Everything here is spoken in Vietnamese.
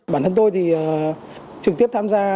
bản thân tôi thì trực tiếp tham gia